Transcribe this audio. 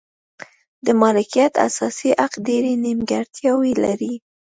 د مالکیت اساسي حق ډېرې نیمګړتیاوې لري.